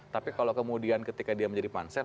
tapi kalau kemudian ketika dia menjadi pansel